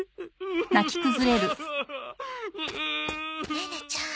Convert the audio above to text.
ネネちゃん